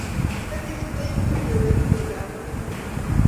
tenisi koibu kewelutik Ak poipoiyet